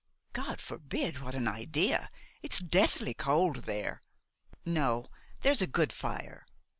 "God forbid! what an idea! it's deathly cold there!" "No, there's a good fire."